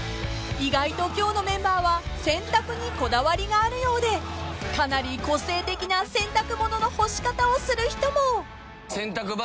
［意外と今日のメンバーは洗濯にこだわりがあるようでかなり個性的な洗濯物の干し方をする人も］